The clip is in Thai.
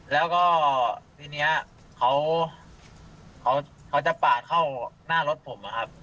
แล้วก็ทีนี้เขาจะปาดเข้าหน้ารถผมอะครับ